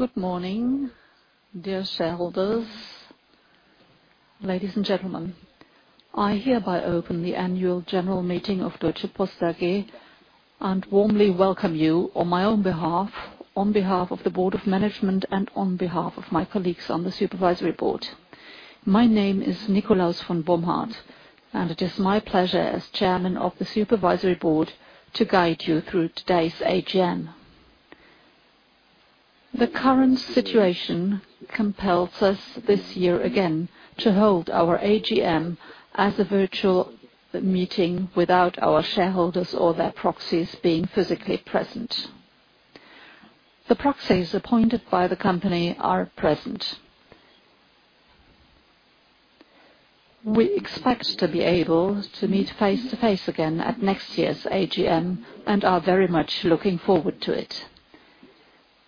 Good morning, dear shareholders, ladies and gentlemen. I hereby open the annual general meeting of Deutsche Post AG and warmly welcome you on my own behalf, on behalf of the Board of Management, and on behalf of my colleagues on the Supervisory Board. My name is Nikolaus von Bomhard, and it is my pleasure as Chairman of the Supervisory Board to guide you through today's AGM. The current situation compels us this year again to hold our AGM as a virtual meeting without our shareholders or their proxies being physically present. The proxies appointed by the company are present. We expect to be able to meet face to face again at next year's AGM and are very much looking forward to it.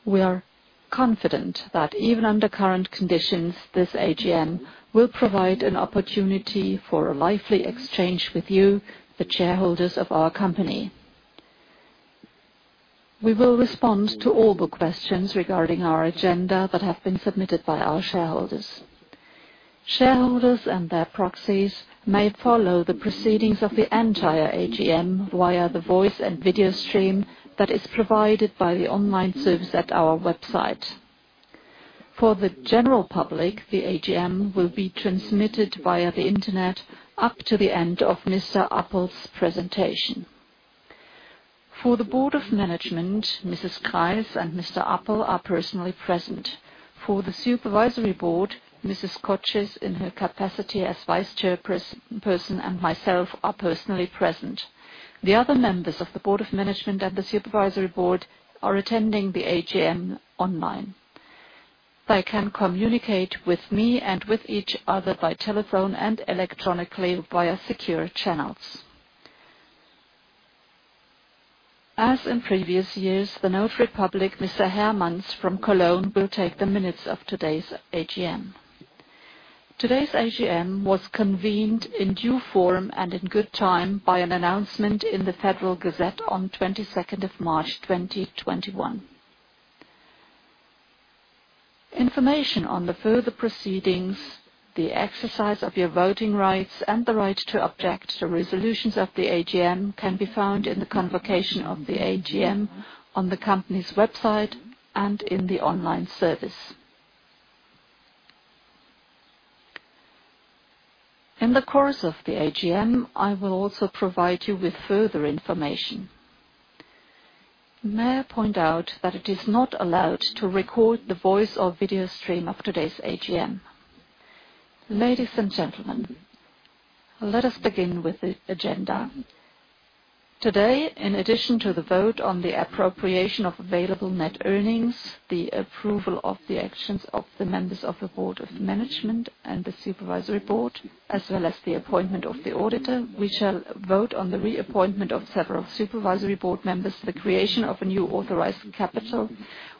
We are confident that even under current conditions, this AGM will provide an opportunity for a lively exchange with you, the shareholders of our company. We will respond to all the questions regarding our agenda that have been submitted by our shareholders. Shareholders and their proxies may follow the proceedings of the entire AGM via the voice and video stream that is provided by the online service at our website. For the general public, the AGM will be transmitted via the Internet up to the end of Mr. Appel's presentation. For the Board of Management, Mrs. Kreis and Mr. Appel are personally present. For the Supervisory Board, Mrs. Kocsis in her capacity as Vice Chairperson, and myself are personally present. The other members of the Board of Management and the Supervisory Board are attending the AGM online. They can communicate with me and with each other by telephone and electronically via secure channels. As in previous years, the Notary Public, Mr. Hermanns from Cologne, will take the minutes of today's AGM. Today's AGM was convened in due form and in good time by an announcement in the Federal Gazette on 22nd of March 2021. Information on the further proceedings, the exercise of your voting rights, and the right to object to resolutions of the AGM can be found in the convocation of the AGM on the company's website and in the online service. In the course of the AGM, I will also provide you with further information. May I point out that it is not allowed to record the voice or video stream of today's AGM. Ladies and gentlemen, let us begin with the agenda. Today, in addition to the vote on the appropriation of available net earnings, the approval of the actions of the members of the Board of Management and the Supervisory Board, as well as the appointment of the auditor. We shall vote on the reappointment of several Supervisory Board members, the creation of a new authorized capital,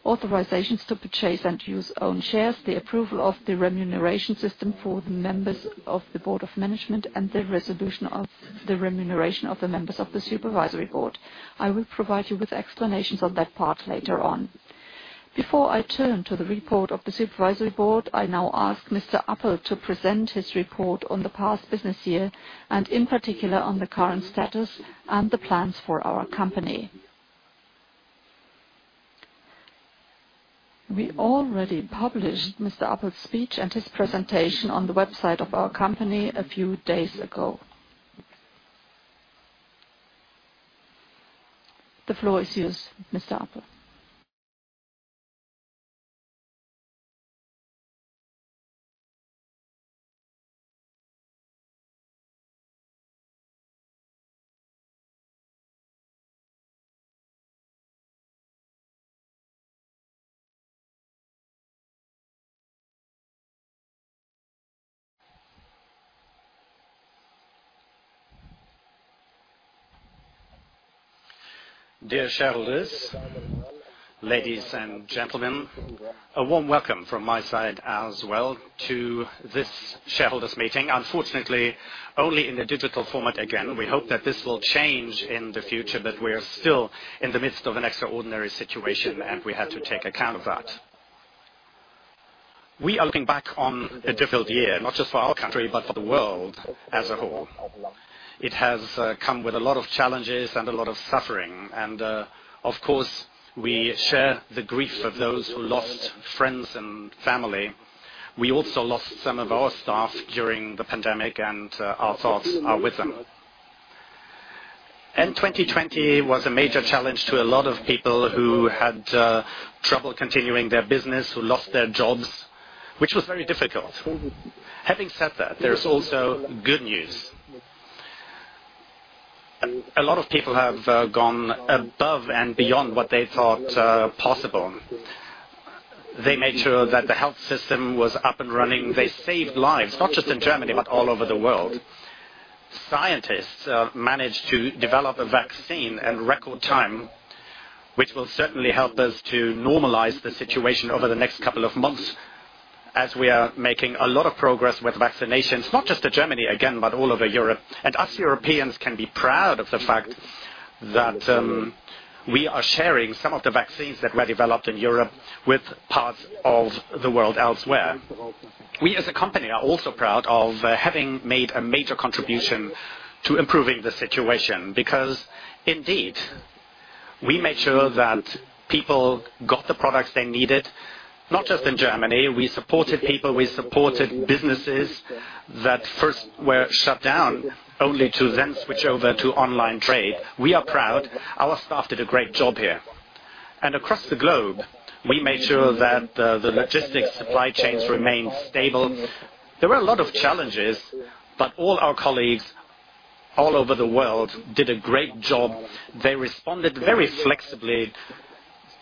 authorizations to purchase and use own shares, the approval of the remuneration system for the members of the Board of Management, and the resolution of the remuneration of the members of the Supervisory Board. I will provide you with explanations on that part later on. Before I turn to the report of the Supervisory Board, I now ask Mr. Appel to present his report on the past business year and in particular on the current status and the plans for our company. We already published Mr. Appel's speech and his presentation on the website of our company a few days ago. The floor is yours, Mr. Appel. Dear shareholders, ladies and gentlemen, a warm welcome from my side as well to this shareholders' meeting. Unfortunately, only in the digital format, again. We hope that this will change in the future, but we are still in the midst of an extraordinary situation, and we have to take account of that. We are looking back on a difficult year, not just for our country, but for the world as a whole. It has come with a lot of challenges and a lot of suffering, and, of course, we share the grief of those who lost friends and family. We also lost some of our staff during the pandemic, and our thoughts are with them. 2020 was a major challenge to a lot of people who had trouble continuing their business, who lost their jobs, which was very difficult. Having said that, there's also good news. A lot of people have gone above and beyond what they thought possible. They made sure that the health system was up and running. They saved lives, not just in Germany, but all over the world. Scientists managed to develop a vaccine in record time, which will certainly help us to normalize the situation over the next couple of months. As we are making a lot of progress with vaccinations, not just to Germany again, but all over Europe. Us Europeans can be proud of the fact that we are sharing some of the vaccines that were developed in Europe with parts of the world elsewhere. We as a company are also proud of having made a major contribution to improving the situation because indeed we made sure that people got the products they needed, not just in Germany. We supported people, we supported businesses that first were shut down, only to then switch over to online trade. We are proud. Our staff did a great job here. Across the globe, we made sure that the logistics supply chains remained stable. There were a lot of challenges, but all our colleagues all over the world did a great job. They responded very flexibly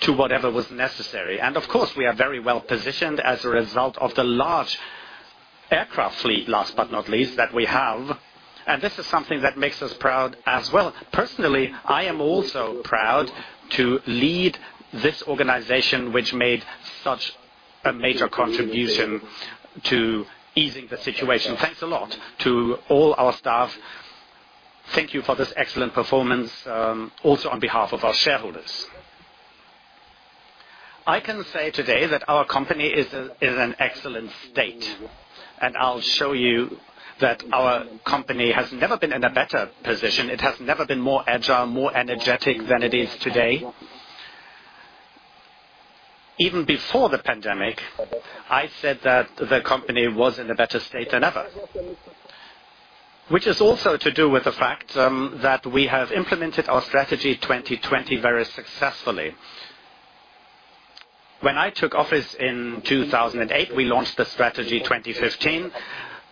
to whatever was necessary. Of course, we are very well-positioned as a result of the large aircraft fleet, last but not least, that we have. This is something that makes us proud as well. Personally, I am also proud to lead this organization, which made such a major contribution to easing the situation. Thanks a lot to all our staff. Thank you for this excellent performance, also on behalf of our shareholders. I can say today that our company is in an excellent state. I'll show you that our company has never been in a better position. It has never been more agile, more energetic than it is today. Even before the pandemic, I said that the company was in a better state than ever, which is also to do with the fact that we have implemented our Strategy 2020 very successfully. When I took office in 2008, we launched the Strategy 2015.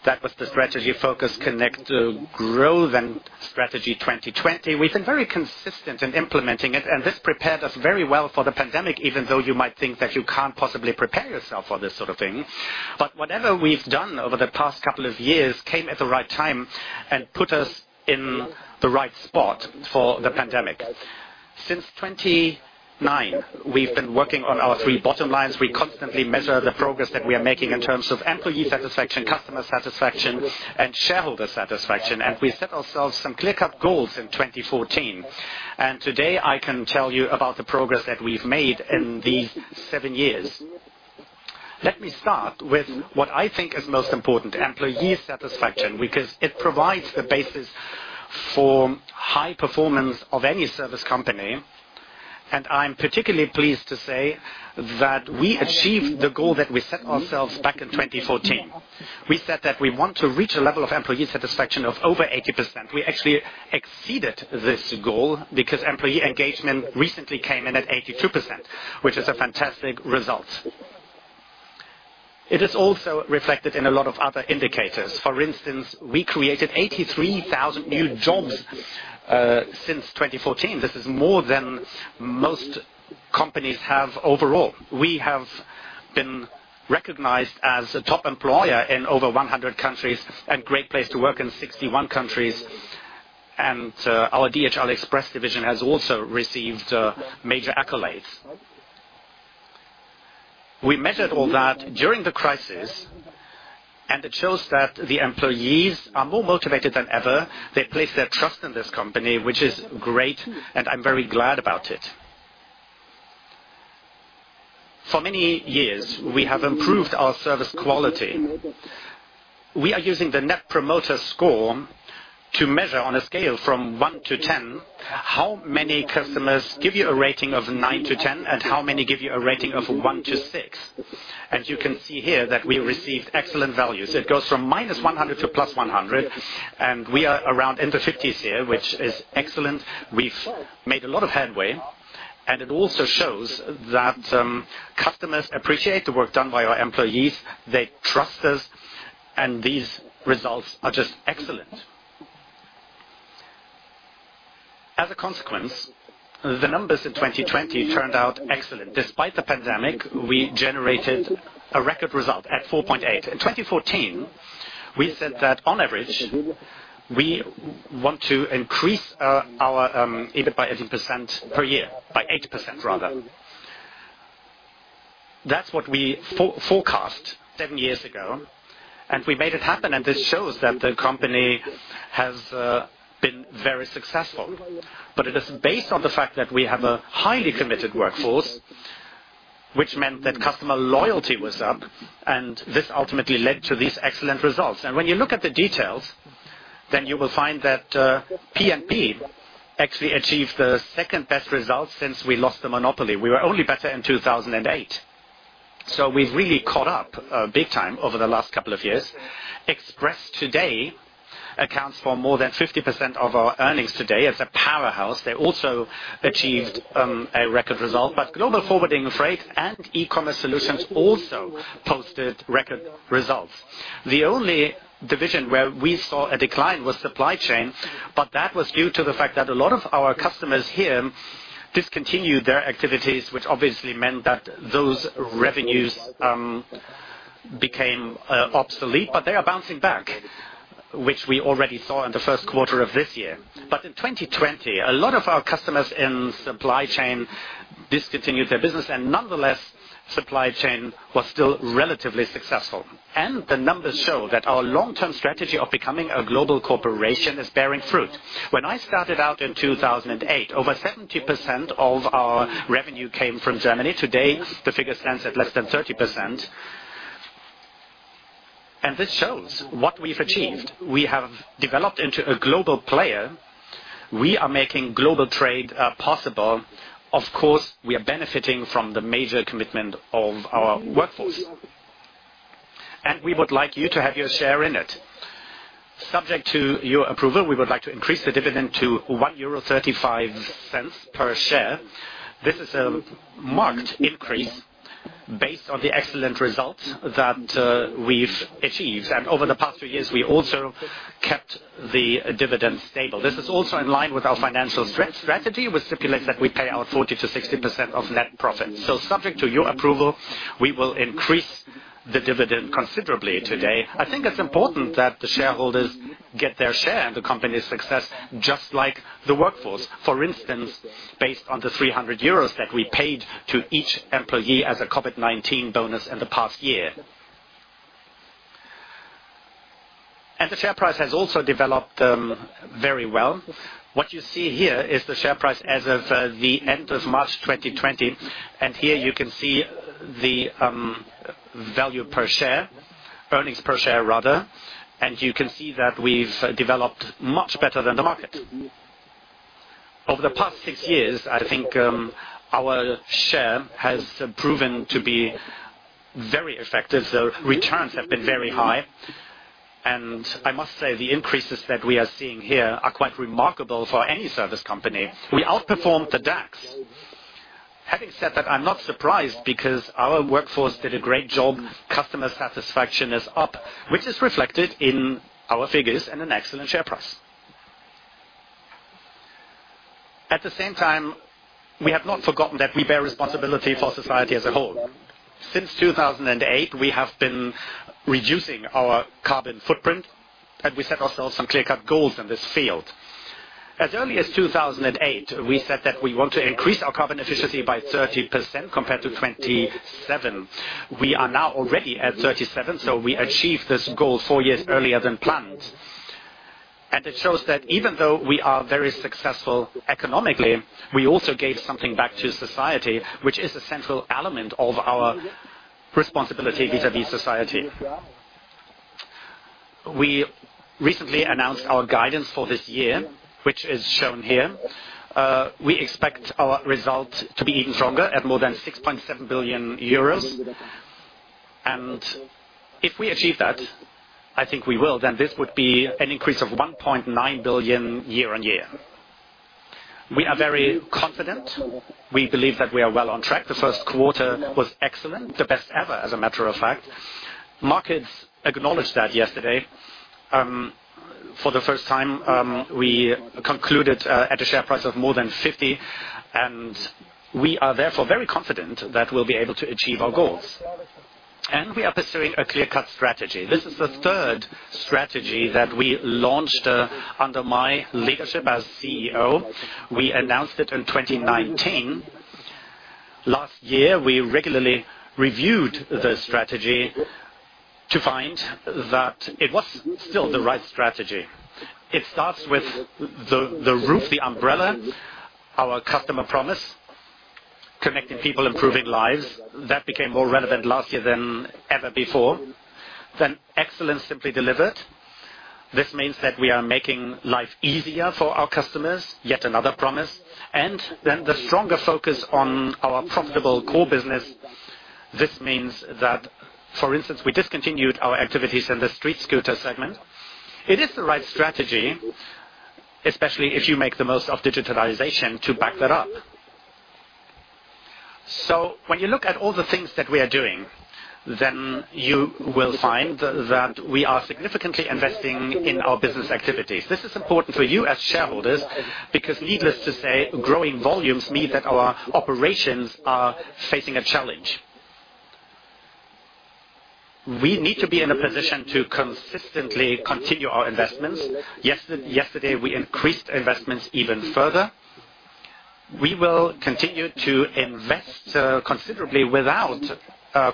That was the strategy focus, connect, grow. Strategy 2020. We've been very consistent in implementing it. This prepared us very well for the pandemic, even though you might think that you can't possibly prepare yourself for this sort of thing. Whatever we've done over the past couple of years came at the right time and put us in the right spot for the pandemic. Since 2009, we've been working on our three bottom lines. We constantly measure the progress that we are making in terms of employee satisfaction, customer satisfaction, and shareholder satisfaction. We set ourselves some clear-cut goals in 2014. Today, I can tell you about the progress that we've made in these seven years. Let me start with what I think is most important, employee satisfaction, because it provides the basis for high performance of any service company. I'm particularly pleased to say that we achieved the goal that we set ourselves back in 2014. We said that we want to reach a level of employee satisfaction of over 80%. We actually exceeded this goal because employee engagement recently came in at 82%, which is a fantastic result. It is also reflected in a lot of other indicators. For instance, we created 83,000 new jobs since 2014. This is more than most companies have overall. We have been recognized as a top employer in over 100 countries and great place to work in 61 countries. Our DHL Express division has also received major accolades. We measured all that during the crisis, and it shows that the employees are more motivated than ever. They place their trust in this company, which is great, and I'm very glad about it. For many years, we have improved our service quality. We are using the Net Promoter Score to measure on a scale from one to 10, how many customers give you a rating of nine to 10 and how many give you a rating of one to six. As you can see here, that we received excellent values. It goes from -100 to +100, and we are around in the 50s here, which is excellent. We've made a lot of headway, and it also shows that customers appreciate the work done by our employees. They trust us, and these results are just excellent. As a consequence, the numbers in 2020 turned out excellent. Despite the pandemic, we generated a record result at 4.8. In 2014, we said that on average, we want to increase our EBITDA 18% per year. By 8%, rather. That's what we forecast seven years ago, we made it happen, and this shows that the company has been very successful. It is based on the fact that we have a highly committed workforce, which meant that customer loyalty was up, and this ultimately led to these excellent results. When you look at the details, then you will find that P&P actually achieved the second-best result since we lost the monopoly. We were only better in 2008. We've really caught up big time over the last couple of years. Express today accounts for more than 50% of our earnings today. It's a powerhouse. They also achieved a record result, Global Forwarding, Freight, and eCommerce Solutions also posted record results. The only division where we saw a decline was Supply Chain, that was due to the fact that a lot of our customers here discontinued their activities, which obviously meant that those revenues became obsolete, they are bouncing back. Which we already saw in the first quarter of this year. In 2020, a lot of our customers in Supply Chain discontinued their business, nonetheless, Supply Chain was still relatively successful. The numbers show that our long-term strategy of becoming a global corporation is bearing fruit. When I started out in 2008, over 70% of our revenue came from Germany. Today, the figure stands at less than 30%. This shows what we've achieved. We have developed into a global player. We are making global trade possible. Of course, we are benefiting from the major commitment of our workforce. We would like you to have your share in it. Subject to your approval, we would like to increase the dividend to 1.35 euro per share. This is a marked increase based on the excellent results that we've achieved. Over the past few years, we also kept the dividend stable. This is also in line with our financial strategy, which stipulates that we pay out 40%-60% of net profit. Subject to your approval, we will increase the dividend considerably today. I think it's important that the shareholders get their share in the company's success, just like the workforce. For instance, based on the 300 euros that we paid to each employee as a COVID-19 bonus in the past year. The share price has also developed very well. What you see here is the share price as of the end of March 2020. Here you can see the value per share, earnings per share, rather. You can see that we've developed much better than the market. Over the past six years, I think our share has proven to be very effective. The returns have been very high. I must say, the increases that we are seeing here are quite remarkable for any service company. We outperformed the DAX. Having said that, I'm not surprised because our workforce did a great job. Customer satisfaction is up, which is reflected in our figures and an excellent share price. At the same time, we have not forgotten that we bear responsibility for society as a whole. Since 2008, we have been reducing our carbon footprint. We set ourselves some clear-cut goals in this field. As early as 2008, we said that we want to increase our carbon efficiency by 30% compared to 2007. We are now already at 37%, so we achieved this goal four years earlier than planned. It shows that even though we are very successful economically, we also gave something back to society, which is a central element of our responsibility vis-a-vis society. We recently announced our guidance for this year, which is shown here. We expect our result to be even stronger at more than 6.7 billion euros. If we achieve that, I think we will, then this would be an increase of 1.9 billion year-on-year. We are very confident. We believe that we are well on track. The first quarter was excellent, the best ever, as a matter of fact. Markets acknowledged that yesterday. For the first time, we concluded at a share price of more than 50. We are therefore very confident that we'll be able to achieve our goals. We are pursuing a clear-cut strategy. This is the third strategy that we launched under my leadership as CEO. We announced it in 2019. Last year, we regularly reviewed the strategy to find that it was still the right strategy. It starts with the roof, the umbrella, our customer promise, Connecting People, Improving Lives. That became more relevant last year than ever before. Excellence. Simply delivered. This means that we are making life easier for our customers, yet another promise, and then the stronger focus on our profitable core business. This means that, for instance, we discontinued our activities in the StreetScooter segment. It is the right strategy, especially if you make the most of digitalization to back that up. When you look at all the things that we are doing, then you will find that we are significantly investing in our business activities. This is important for you as shareholders because needless to say, growing volumes mean that our operations are facing a challenge. We need to be in a position to consistently continue our investments. Yesterday, we increased investments even further. We will continue to invest considerably without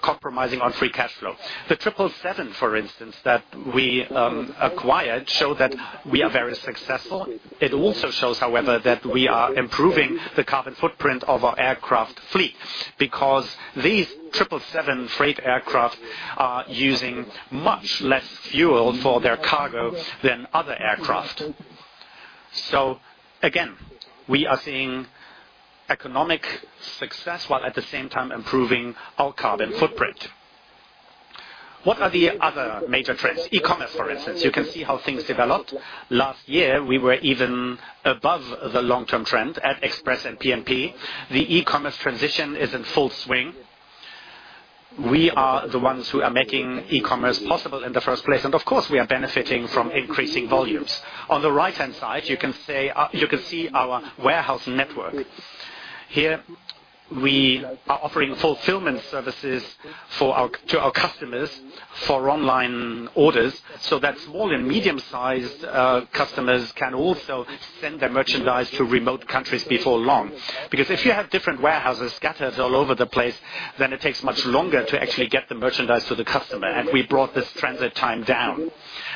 compromising on free cash flow. The 777, for instance, that we acquired show that we are very successful. It also shows, however, that we are improving the carbon footprint of our aircraft fleet because these 777 freight aircraft are using much less fuel for their cargo than other aircraft. Again, we are seeing economic success while at the same time improving our carbon footprint. What are the other major trends? e-commerce, for instance. You can see how things developed. Last year, we were even above the long-term trend at Express and P&P. The e-commerce transition is in full swing. We are the ones who are making e-commerce possible in the first place. Of course, we are benefiting from increasing volumes. On the right-hand side, you can see our warehouse network. Here, we are offering fulfillment services to our customers for online orders, so that small and medium-sized customers can also send their merchandise to remote countries before long. If you have different warehouses scattered all over the place, then it takes much longer to actually get the merchandise to the customer. We brought this transit time down.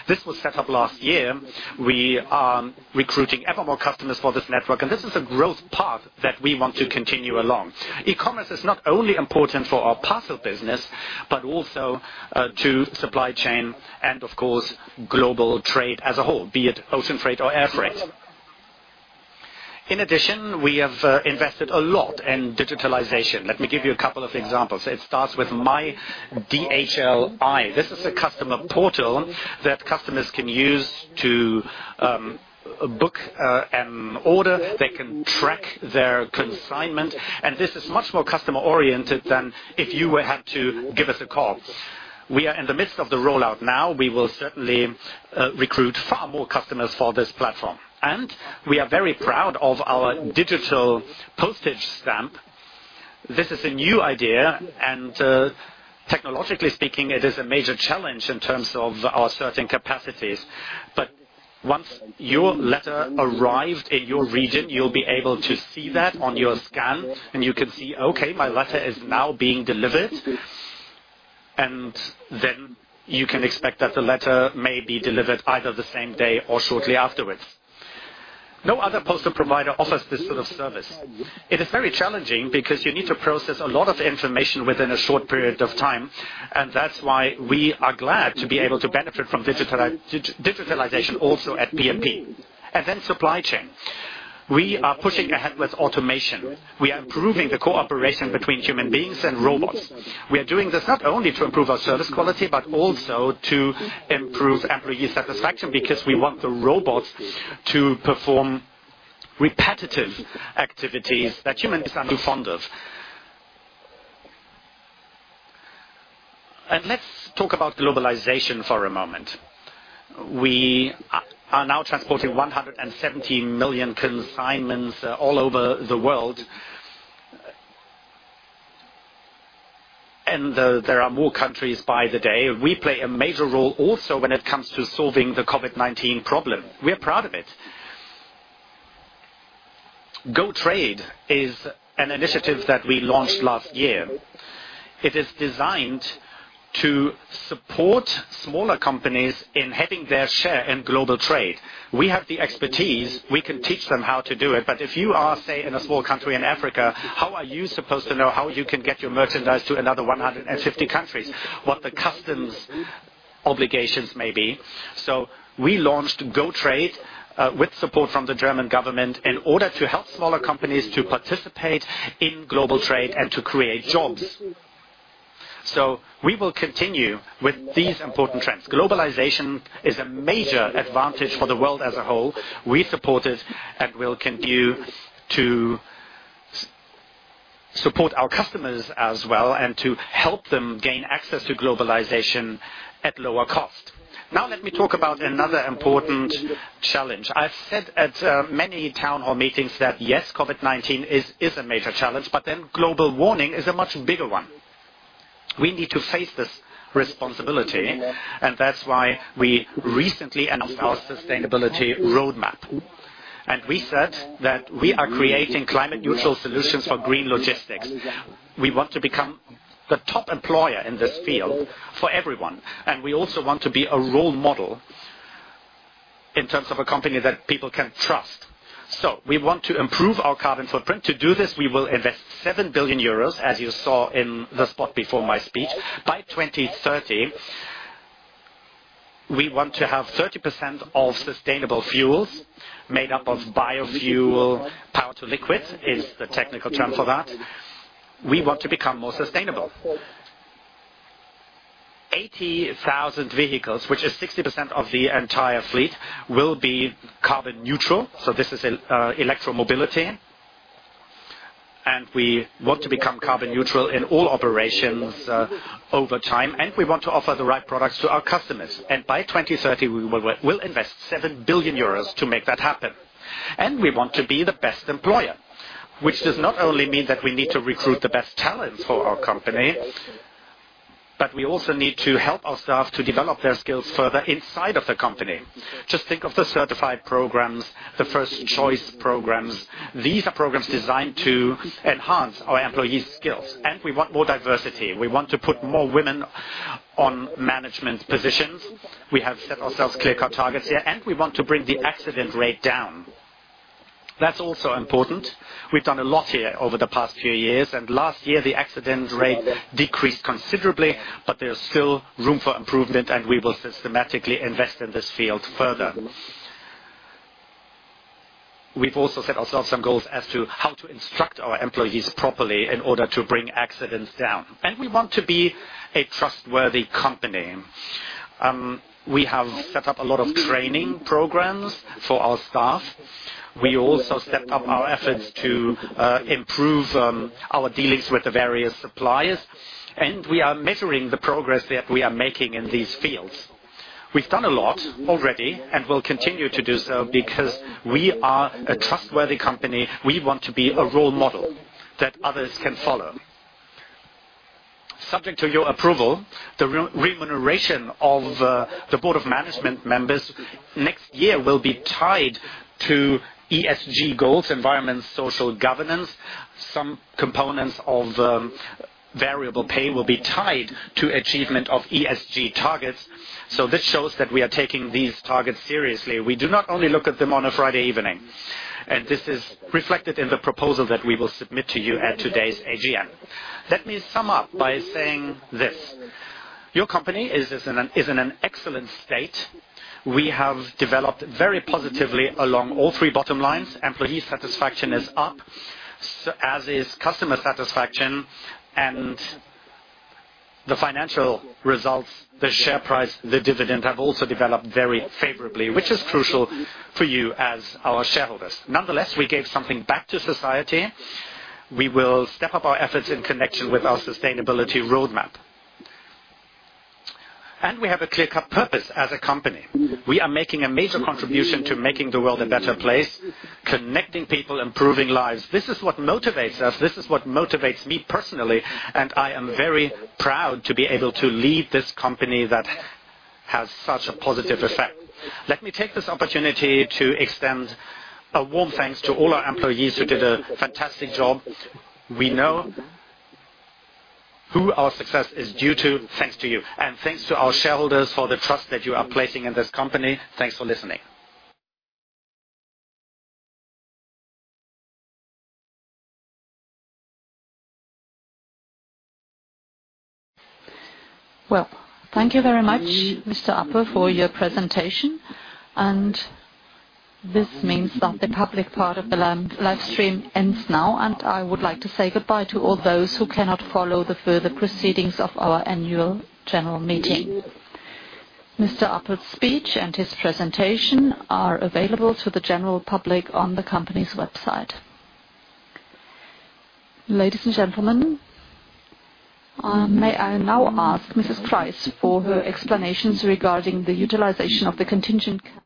This was set up last year. We are recruiting ever more customers for this network, and this is a growth path that we want to continue along. E-commerce is not only important for our parcel business, but also to Supply Chain and, of course, global trade as a whole, be it ocean freight or air freight. In addition, we have invested a lot in digitalization. Let me give you a couple of examples. It starts with MyDHLi. This is a customer portal that customers can use to book an order. They can track their consignment. This is much more customer-oriented than if you had to give us a call. We are in the midst of the rollout now. We will certainly recruit far more customers for this platform. We are very proud of our digital postage stamp. This is a new idea, and technologically speaking, it is a major challenge in terms of our sorting capacities. Once your letter arrived at your region, you'll be able to see that on your scan, and you can see, okay, my letter is now being delivered. You can expect that the letter may be delivered either the same day or shortly afterwards. No other postal provider offers this sort of service. It is very challenging because you need to process a lot of information within a short period of time, and that's why we are glad to be able to benefit from digitalization also at P&P. Supply chain. We are pushing ahead with automation. We are improving the cooperation between human beings and robots. We are doing this not only to improve our service quality, but also to improve employee satisfaction because we want the robots to perform repetitive activities that humans aren't fond of. Let's talk about globalization for a moment. We are now transporting 117 million consignments all over the world. There are more countries by the day. We play a major role also when it comes to solving the COVID-19 problem. We are proud of it. GoTrade is an initiative that we launched last year. It is designed to support smaller companies in having their share in global trade. We have the expertise. We can teach them how to do it. If you are, say, in a small country in Africa, how are you supposed to know how you can get your merchandise to another 150 countries? What the customs obligations may be. We launched GoTrade with support from the German government in order to help smaller companies to participate in global trade and to create jobs. We will continue with these important trends. Globalization is a major advantage for the world as a whole. We support it and will continue to support our customers as well and to help them gain access to globalization at lower cost. Now let me talk about another important challenge. I've said at many town hall meetings that, yes, COVID-19 is a major challenge, but then global warming is a much bigger one. We need to face this responsibility, and that's why we recently announced our sustainability roadmap. We said that we are creating climate neutral solutions for green logistics. We want to become the top employer in this field for everyone. We also want to be a role model in terms of a company that people can trust. We want to improve our carbon footprint. To do this, we will invest 7 billion euros, as you saw in the spot before my speech. By 2030, we want to have 30% of sustainable fuels made up of biofuel, Power-to-Liquid, is the technical term for that. We want to become more sustainable. 80,000 vehicles, which is 60% of the entire fleet, will be carbon neutral. This is electro-mobility. We want to become carbon neutral in all operations over time, and we want to offer the right products to our customers. By 2030, we'll invest 7 billion euros to make that happen. We want to be the best employer, which does not only mean that we need to recruit the best talent for our company, but we also need to help our staff to develop their skills further inside of the company. Just think of the certified programs, the First Choice programs. These are programs designed to enhance our employees' skills. We want more diversity. We want to put more women on management positions. We have set ourselves clear cut targets here. We want to bring the accident rate down. That's also important. We've done a lot here over the past few years, and last year, the accident rate decreased considerably, but there's still room for improvement, and we will systematically invest in this field further. We've also set ourselves some goals as to how to instruct our employees properly in order to bring accidents down. We want to be a trustworthy company. We have set up a lot of training programs for our staff. We also stepped up our efforts to improve our dealings with the various suppliers, and we are measuring the progress that we are making in these fields. We've done a lot already and will continue to do so because we are a trustworthy company. We want to be a role model that others can follow. Subject to your approval, the remuneration of the board of management members next year will be tied to ESG goals, environment, social governance. Some components of variable pay will be tied to achievement of ESG targets. This shows that we are taking these targets seriously. We do not only look at them on a Friday evening. This is reflected in the proposal that we will submit to you at today's AGM. Let me sum up by saying this. Your company is in an excellent state. We have developed very positively along all three bottom lines. Employee satisfaction is up, as is customer satisfaction and the financial results, the share price, the dividend have also developed very favorably, which is crucial for you as our shareholders. We gave something back to society. We will step up our efforts in connection with our sustainability roadmap. We have a clear-cut purpose as a company. We are making a major contribution to making the world a better place, Connecting People, Improving Lives. This is what motivates us. This is what motivates me personally, and I am very proud to be able to lead this company that has such a positive effect. Let me take this opportunity to extend a warm thanks to all our employees who did a fantastic job. We know who our success is due to. Thanks to you. Thanks to our shareholders for the trust that you are placing in this company. Thanks for listening. Well, thank you very much, Mr. Appel, for your presentation. This means that the public part of the live stream ends now, and I would like to say goodbye to all those who cannot follow the further proceedings of our Annual General Meeting. Mr. Appel's speech and his presentation are available to the general public on the company's website. Ladies and gentlemen, may I now ask Mrs. Kreis for her explanations regarding the utilization of the contingent capital.